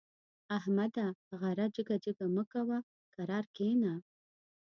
احمده! غره جګه جګه مه کوه؛ کرار کېنه.